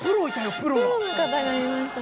プロの方がいましたね。